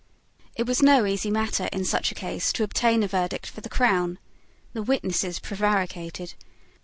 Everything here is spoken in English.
It was no easy matter in such a case to obtain a verdict for the crown. The witnesses prevaricated.